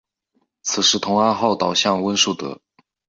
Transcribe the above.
此时同安号倒向温树德。